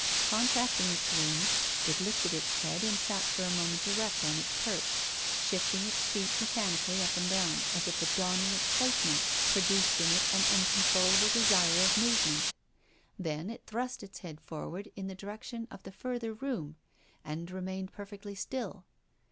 Con tracting its wing, it lifted its head and sat for a mo ment erect on its perch, shifting its feet mechan ically up and down, as if a dawning excitement produced in it an uncontrollable desire of move ment. Then it thrust its head forward in the di rection of the further room and remained per fectly still.